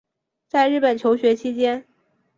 在日本求学期间